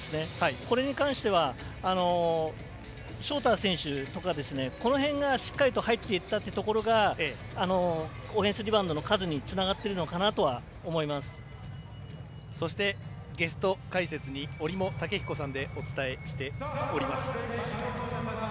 これに関してはショーター選手とかこの辺がしっかりと入っていったというところがオフェンスリバウンドの数につながっているのかなとはそして、ゲスト解説に折茂武彦さんでお伝えしております。